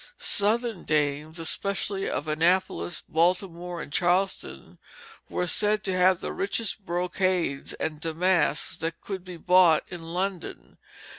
Southern dames, especially of Annapolis, Baltimore, and Charleston, were said to have the richest brocades and damasks that could be bought in London.